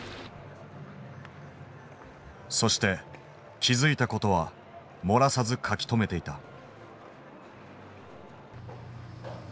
そして気付いたことは漏らさず書き留めていた。